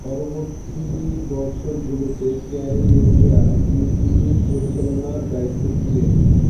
পরবর্তী বছর গুলোতে ক্যুরি রেডিয়াম ইন্সটিটিউট পরিচালনার দায়িত্বে ছিলেন।